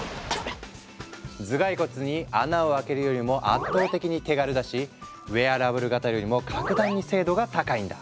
頭蓋骨に穴を開けるよりも圧倒的に手軽だしウェアラブル型よりも格段に精度が高いんだ。